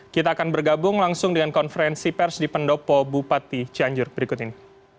kita akan bergabung langsung dengan konferensi pers di pendopo bupati cianjur berikut ini